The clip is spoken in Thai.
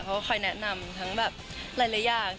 เขาก็ขอแนะนำทั้งแบบไร่อย่าง